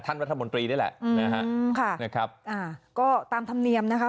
ท่านรัฐมนตรีได้แหละอืมค่ะนะครับอ่าก็ตามธรรมเนียมนะครับ